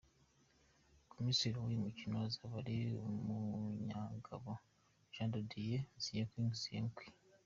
Komiseri w’uyu mukino azaba ari Umunyagabo, Jean Didier Nziengui Nziengui.